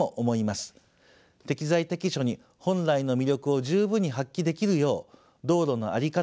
適材適所に本来の魅力を十分に発揮できるよう道路の在り方